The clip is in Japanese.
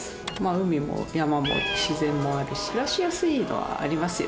海も山も自然もあるし暮らしやすいのはありますよね。